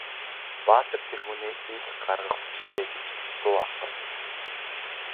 Баатар тэргүүнээ ил гаргах учиртай гэж дуу алдав.